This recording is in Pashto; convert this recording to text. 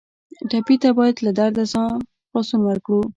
ټپي ته باید له درده خلاصون ورکړو.